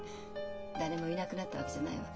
誰もいなくなったわけじゃないわ。